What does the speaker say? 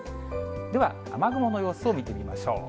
では、雨雲の様子を見てみましょう。